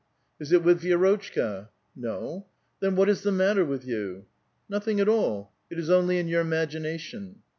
" Is it with Vi6rotchka ?"*' No." Then what is the matter with yon?" '*' Nothing at all ; it is only in your imagination."